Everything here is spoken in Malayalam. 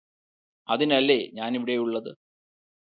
അതിനല്ലേ ഞാന് ഇവിടെയുള്ളത്